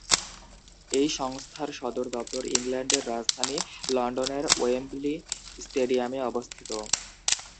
এই সংস্থার সদর দপ্তর ইংল্যান্ডের রাজধানী লন্ডনের ওয়েম্বলি স্টেডিয়ামে অবস্থিত।